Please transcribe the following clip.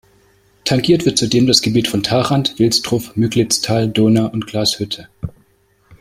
Tangiert wird zudem das Gebiet von Tharandt, Wilsdruff, Müglitztal, Dohna und Glashütte.